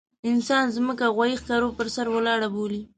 انسان ځمکه غوايي ښکرو پر سر ولاړه بولي.